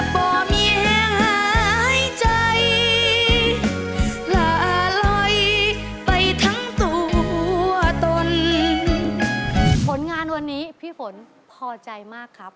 ผลงานวันนี้พี่ฝนพอใจมากครับ